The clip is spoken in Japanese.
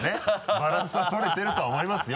バランスを取れてるとは思いますよ。